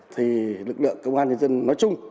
thì lực lượng công an nhân dân nói chung